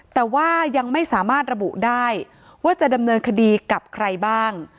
แต่ว่ายังไม่สามารถระบุได้ว่าจะดำเนินคดีกับใครบ้าง